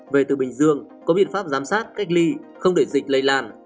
về từ bình dương có biện pháp giám sát cách ly không để dịch lây lan